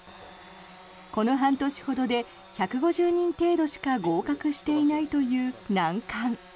この半年ほどで１５０人程度しか合格していないという難関。